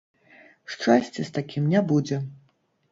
Шчасця з такім не будзе.